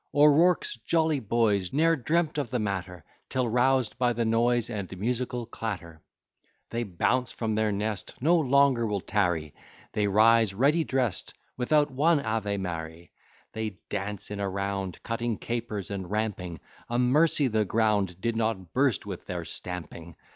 O'Rourke's jolly boys Ne'er dreamt of the matter, Till, roused by the noise, And musical clatter, They bounce from their nest, No longer will tarry, They rise ready drest, Without one Ave Mary. They dance in a round, Cutting capers and ramping; A mercy the ground Did not burst with their stamping.